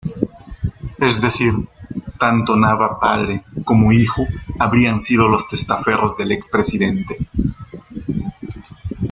Es decir, tanto Nava padre como hijo habrían sido los testaferros del expresidente.